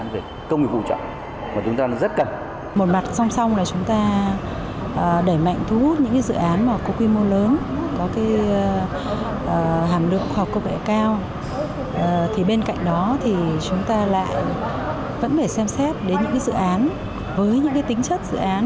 vẫn phải xem xét đến những dự án với những tính chất dự án